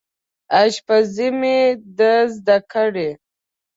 اشپزي مې ده زده کړې